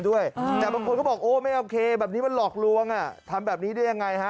แต่บางคนก็บอกโอ้ไม่โอเคแบบนี้มันหลอกลวงอ่ะทำแบบนี้ได้ยังไงฮะ